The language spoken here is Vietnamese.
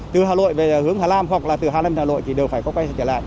từ hà nội về hướng hà nam hoặc là từ hà nam đến hà nội thì đều phải có quay trở lại